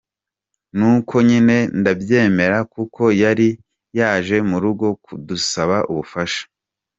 Nuko nyine ndabyemera kuko yari yaje mu rugo kudusaba ubufasha.